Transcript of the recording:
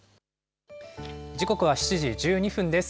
時刻は７時１２分です。